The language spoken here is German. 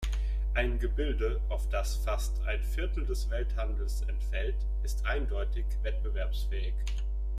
Ein Gebilde, auf das fast ein Viertel des Welthandels entfällt, ist eindeutig wettbewerbsfähig.